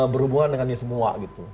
berhubungan dengannya semua gitu